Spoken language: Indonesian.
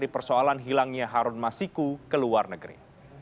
persoalan hilangnya harun masiku ke luar negeri